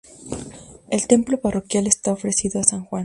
El templo parroquial, está ofrecido a San Juan.